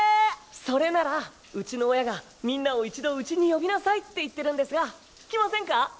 それならウチの親がみんなを一度ウチに呼びなさいって言ってるんですが来ませんか？